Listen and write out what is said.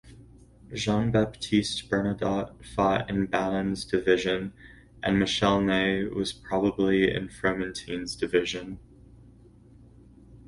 Jean-Baptiste Bernadotte fought in Balland's division and Michel Ney was probably in Fromentin's division.